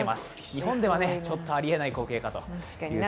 日本ではちょっとありえない光景かというところです。